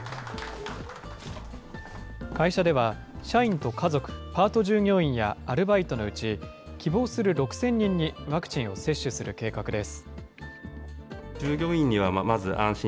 会社では、社員と家族、パート従業員やアルバイトのうち、希望する６０００人にワクチンを接種する計画です。